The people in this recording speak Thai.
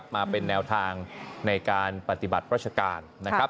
มาเป็นแนวทางในการปฏิบัติรัชกาล